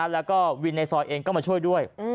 แล้วก็วินในซอยเองก็มาช่วยด้วย